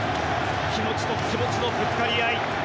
気持ちと気持ちのぶつかり合い。